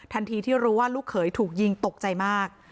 ที่รู้ว่าลูกเขยถูกยิงตกใจมาก